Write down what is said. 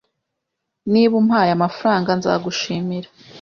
Niba umpaye amafaranga, nzagushimira.